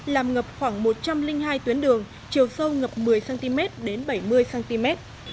làm ngập khoảng một trăm linh hai tuyến đường chiều sâu ngập một mươi cm đến bảy mươi cm